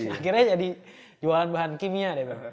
akhirnya jadi jualan bahan kimia deh